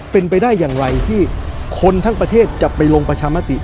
เป็นไปได้อย่างไรที่คนทั้งประเทศจะไปลงประชามติ